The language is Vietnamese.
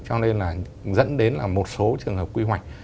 cho nên là dẫn đến là một số trường hợp quy hoạch